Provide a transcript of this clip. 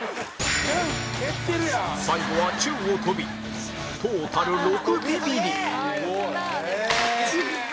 最後は宙を飛びトータル６ビビリ